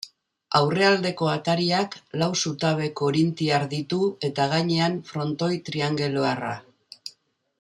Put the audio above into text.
Aurrealdeko atariak lau zutabe korintiar ditu eta gainean frontoi triangeluarra.